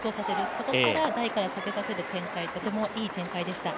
そこから台から下げさせる展開とてもいい展開でした。